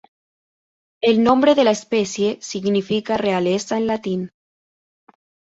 El nombre de la especie significa "realeza" en latín.